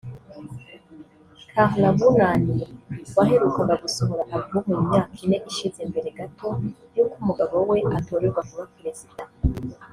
Carla Bruni waherukaga gusohora Alubum mu myaka ine ishize mbere gato y’uko umugabo we atorerwa kuba Perezida